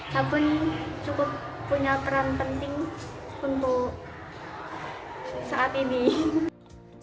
sabun cukup punya peran penting untuk saat ini